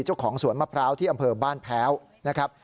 เจ้าของสวนมะพร้าวที่อำเภอบ้านแพ้วนะครับ